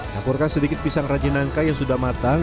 campurkan sedikit pisang rajenangka yang sudah matang